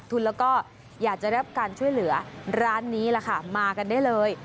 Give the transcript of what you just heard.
ทุนแล้วก็อยากจะรับการช่วยเหลือร้านนี้ล่ะค่ะมากันได้เลย